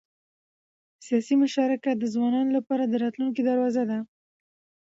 سیاسي مشارکت د ځوانانو لپاره د راتلونکي دروازه ده